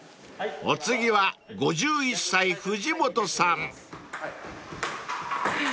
［お次は５１歳藤本さん］